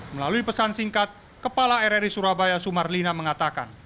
melalui pesan singkat kepala rri surabaya sumarlina mengatakan